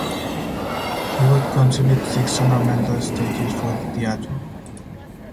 He would contribute six ornamental statues for the Teatro.